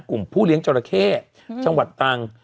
ผู้เลี้ยงจราเข้จังหวัดตรัง